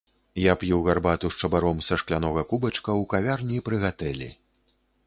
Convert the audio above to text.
Я п'ю гарбату з чабаром са шклянога кубачка ў кавярні пры гатэлі.